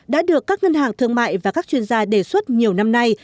đã được các ngân hàng thương mại và các chuyên gia đề xuất nhiều năm nay